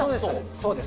そうです